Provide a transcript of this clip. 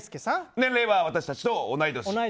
年齢は私たちと同い年。